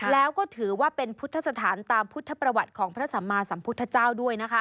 แล้วก็ถือว่าเป็นพุทธสถานตามพุทธประวัติของพระสัมมาสัมพุทธเจ้าด้วยนะคะ